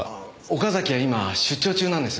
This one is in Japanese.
岡崎は今出張中なんですが。